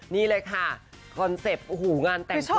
นี่เลยค่ะคอนเซปต์อูหูงานแต่งตัวมาก